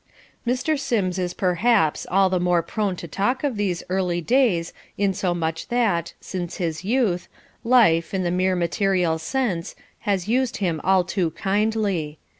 Mr. Sims is perhaps all the more prone to talk of these early days insomuch that, since his youth, life, in the mere material sense, has used him all too kindly.